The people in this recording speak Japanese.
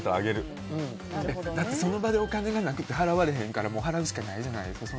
だって、その場でお金がなくて払われへんから払うしかないじゃないですか。